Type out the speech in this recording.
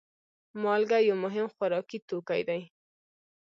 مالګه یو مهم خوراکي توکی دی.